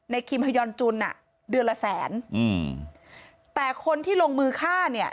ในคิมพยนต์จุลเดือนละแสนแต่คนที่ลงมือค่าเนี่ย